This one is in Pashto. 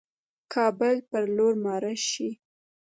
کابل پر لور مارش شي.